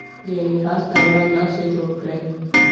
د انعکاس دوران داسې جوړ کړئ: